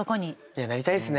いやなりたいですね